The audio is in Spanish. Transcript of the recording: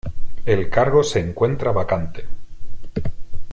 El cargo se encuentra vacante.